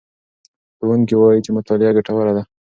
ښوونکی وایي چې مطالعه ګټوره ده.